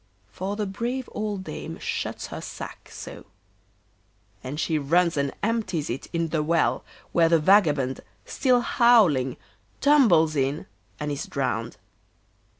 For the brave old dame shuts her sack, so; and she runs and empties it in the well, where the vagabond, still howling, tumbles in and is drowned.